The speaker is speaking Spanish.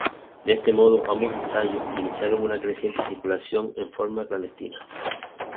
De este modo, ambos ensayos iniciaron una creciente circulación en forma clandestina.